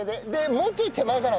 もうちょい手前かな？